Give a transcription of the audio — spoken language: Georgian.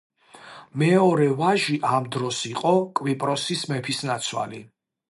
მეორე ვაჟი ამ დროს იყო კვიპროსის მეფისნაცვალი.